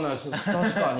確かに。